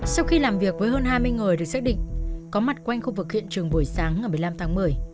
sau khi làm việc với hơn hai mươi người được xác định có mặt quanh khu vực hiện trường buổi sáng ngày một mươi năm tháng một mươi